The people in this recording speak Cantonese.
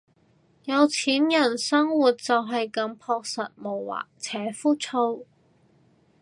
有錢人生活就係咁樸實無華且枯燥